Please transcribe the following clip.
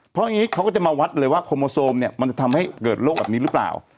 เพราะอย่างนี้เขาก็จะมาวัดเลยว่าโคโมโซมเนี่ยมันจะทำให้เกิดโรคแบบนี้หรือเปล่า